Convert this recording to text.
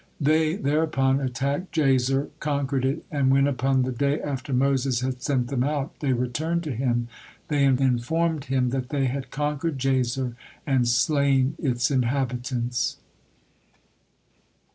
They thereupon attacked Jazer, conquered it, and when upon the day after Moses had sent them out they returned to him, they informed him that they had conquered Jazer and slain its inhabitants.